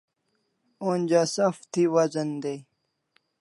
Onja saw thi wazan dai